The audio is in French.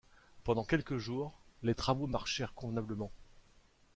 Pendant quelques jours, les travaux marchèrent convenablement.